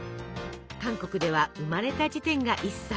韓国では生まれた時点が１歳。